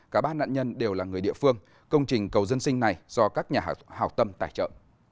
cả ba nạn nhân đều là người địa phương công trình cầu dân sinh này do các nhà hào tâm tài trợ